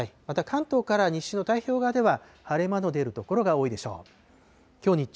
また関東から西の太平洋側では、晴れ間の出る所が多いでしょう。